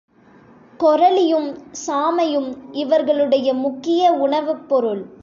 கொரலியும், சாமையும் இவர்களுடைய முக்கிய உணவுப் பொருள்.